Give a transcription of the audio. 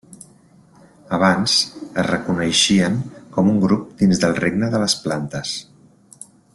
Abans es reconeixien com un grup dins del regne de les plantes.